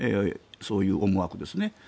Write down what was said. そういう思惑ですね。